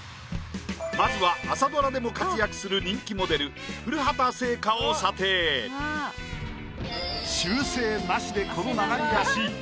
まずは朝ドラでも活躍する人気モデル修正なしでこの長い脚。